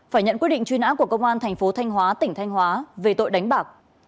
phải nhận quyết định truy nã của công an thành phố thanh hóa tỉnh thanh hóa về tội đánh bạc